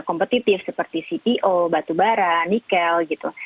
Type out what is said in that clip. kompetitif seperti cpo batubara nikel gitu